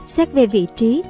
xét về vị trí